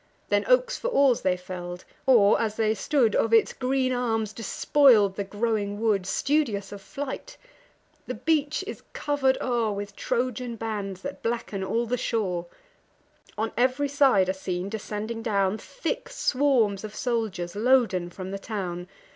Then oaks for oars they fell'd; or, as they stood, Of its green arms despoil'd the growing wood, Studious of flight. The beach is cover'd o'er With Trojan bands, that blacken all the shore: On ev'ry side are seen, descending down, Thick swarms of soldiers, loaden from the town.